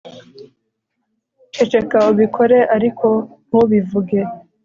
ceceka ubikore ariko ntubivuge